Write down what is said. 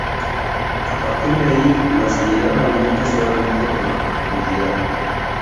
A partir de ahí, la salinidad aumenta suavemente con la profundidad.